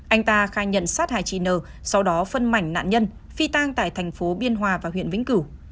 anh ta khai nhận sát hại chị n sau đó phân mảnh nạn nhân phi tang tại thành phố biên hòa và huyện vĩnh cửu